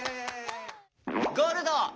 ゴールド。